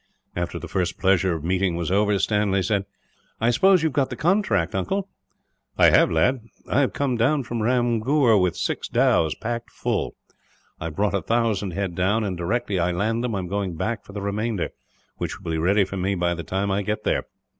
After the first pleasure of meeting was over, Stanley said: "I suppose you have got the contract, uncle?" "I have, lad. I have come down from Ramgur with six dhows, packed full. I have brought a thousand head down and, directly I land them, am going back for the remainder; which will be ready for me by the time I get there.